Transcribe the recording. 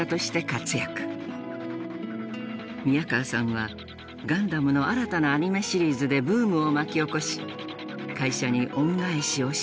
宮河さんはガンダムの新たなアニメシリーズでブームを巻き起こし会社に恩返しをしました。